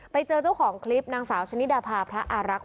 ไปเจอเจ้าของคลิปนางสาวชนิดาพาพระอารักษ์